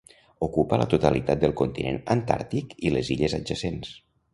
Ocupa la totalitat del continent antàrtic i les illes adjacents.